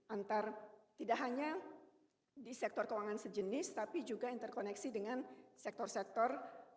antara tidak hanya di sektor keuangan sejenis tapi juga interkoneksi dengan sektor sektor